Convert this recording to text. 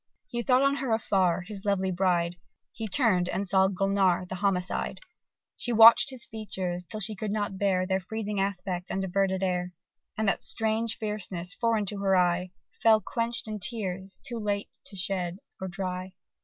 He thought on her afar, his lovely bride: He turned and saw Gulnare, the homicide! She watch'd his features till she could not bear Their freezing aspect and averted air; And that strange fierceness, foreign to her eye, Fell quench'd in tears, too late to shed or dry.